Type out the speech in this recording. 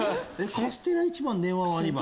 「カステラ一番電話は二番」。